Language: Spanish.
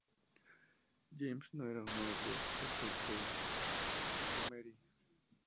James no era un doble perfecto de Montgomery.